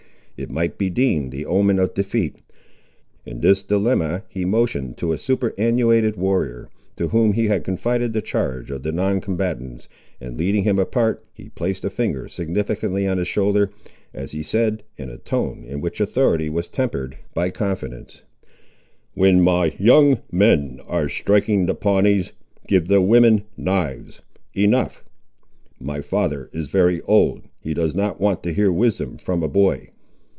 It might be deemed the omen of defeat. In this dilemma he motioned to a superannuated warrior, to whom he had confided the charge of the non combatants, and leading him apart, he placed a finger significantly on his shoulder, as he said, in a tone, in which authority was tempered by confidence— "When my young men are striking the Pawnees, give the women knives. Enough; my father is very old; he does not want to hear wisdom from a boy."